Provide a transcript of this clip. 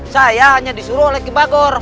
saya hanya disuruh oleh kibagor